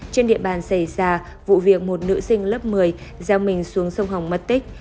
trên địa bàn xảy ra vụ việc một nữ sinh lớp một mươi gieo mình xuống sông hồng mất tích